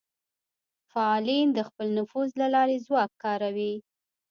فعالین د خپل نفوذ له لارې ځواک کاروي